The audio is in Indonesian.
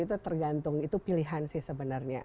itu tergantung itu pilihan sih sebenarnya